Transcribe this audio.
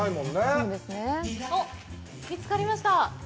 見つかりました。